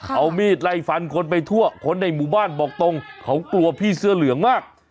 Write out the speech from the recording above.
เอามีดไล่ฟันคนไปทั่วคนในหมู่บ้านบอกตรงเขากลัวพี่เสื้อเหลืองมาก